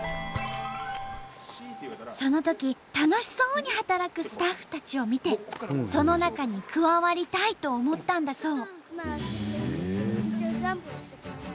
そのとき楽しそうに働くスタッフたちを見てその中に加わりたいと思ったんだそう。